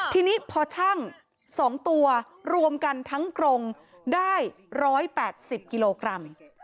ทีนี้พอช่าง๒ตัวรวมกันทั้งกรงได้๑๘๐กิโลกรัม